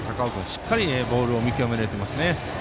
しっかりボールを見極められていますね。